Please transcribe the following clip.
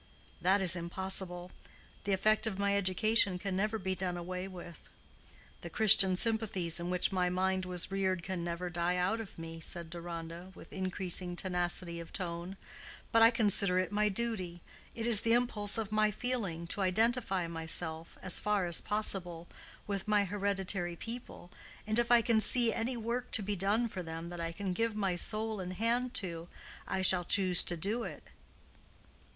"That is impossible. The effect of my education can never be done away with. The Christian sympathies in which my mind was reared can never die out of me," said Deronda, with increasing tenacity of tone. "But I consider it my duty—it is the impulse of my feeling—to identify myself, as far as possible, with my hereditary people, and if I can see any work to be done for them that I can give my soul and hand to I shall choose to do it."